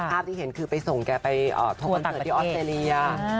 ที่เห็นคือไปส่งแกไปทวงคอนเสิร์ตที่ออสเตรเลีย